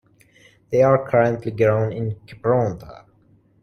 They are currently grown in Kyperounta.